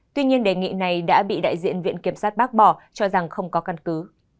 tuy nhiên đề nghị này đã bị đại diện viện kiểm sát bác bỏ cho rằng không có căn cứ